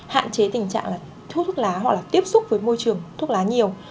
hạn chế tình trạng là thuốc lá hoặc là tiếp xúc với môi trường thuốc lá nhiều